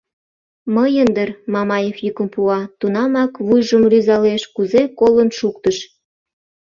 — Мыйын дыр, — Мамаев йӱкым пуа, тунамак вуйжым рӱзалеш: «Кузе колын шуктыш?»